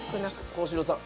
幸四郎さん。